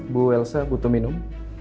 bu elsa butuh minum